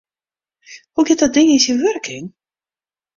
Hoe giet dat ding yn syn wurking?